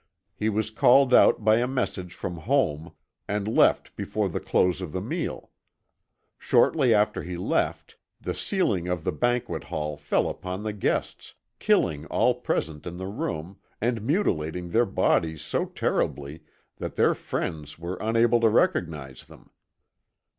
He was called out by a message from home, and left before the close of the meal. Shortly after he left, the ceiling of the banquet hall fell upon the guests, killing all present in the room, and mutilating their bodies so terribly that their friends were unable to recognize them.